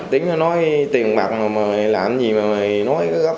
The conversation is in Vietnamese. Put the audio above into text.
tính là nói tiền bạc mà làm gì mà nói gấp gấp